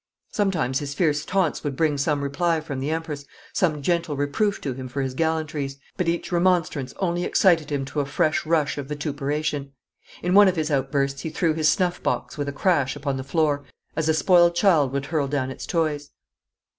Sometimes his fierce taunts would bring some reply from the Empress, some gentle reproof to him for his gallantries, but each remonstrance only excited him to a fresh rush of vituperation. In one of his outbursts he threw his snuff box with a crash upon the floor as a spoiled child would hurl down its toys.